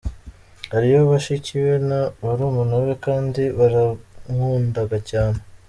Hariyo bashiki be na barumuna be kandi barankundaga cyane.